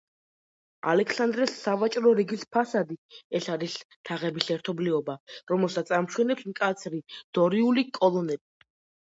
ალექსანდრეს სავაჭრო რიგის ფასადი ეს არის თაღების ერთობლიობა, რომელსაც ამშვენებს მკაცრი დორიული კოლონები.